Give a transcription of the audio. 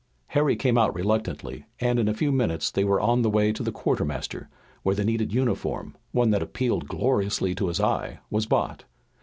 Harry came out reluctantly, and in a few minutes they were on the way to the quartermaster, where the needed uniform, one that appealed gloriously to his eye, was bought.